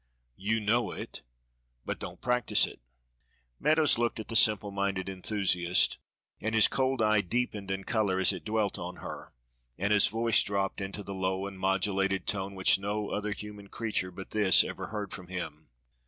You know it but don't practice it." Meadows looked at the simple minded enthusiast, and his cold eye deepened in color as it dwelt on her, and his voice dropped into the low and modulated tone which no other human creature but this ever heard from him.